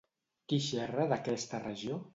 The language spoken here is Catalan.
Qui xerra d'aquesta regió?